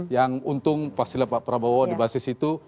yang untung pastilah pak prabowo di basis itu